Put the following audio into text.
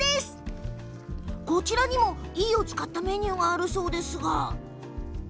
こちらにも飯を使ったメニューがあるそうなんです。